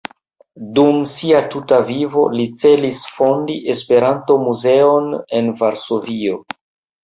Dum sia tuta vivo li celis fondi Esperanto-muzeon en Varsovio.